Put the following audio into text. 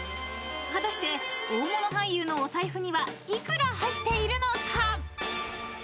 ［果たして大物俳優のお財布には幾ら入っているのか？］